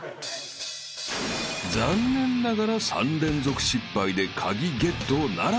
［残念ながら３連続失敗で鍵ゲットならず］